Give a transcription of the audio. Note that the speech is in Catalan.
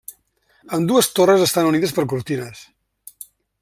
Ambdues torres estan unides per cortines.